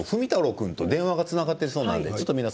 君と電話がつながっているそうです。